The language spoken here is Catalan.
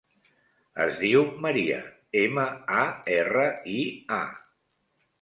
Es diu Maria: ema, a, erra, i, a.